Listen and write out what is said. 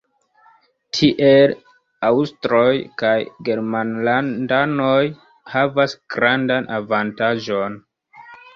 Tiel aŭstroj kaj germanlandanoj havas grandan avantaĝon.